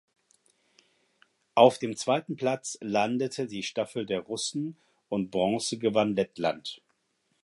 Auf dem zweiten Platz landete die Staffel der Russen und Bronze gewann Lettland.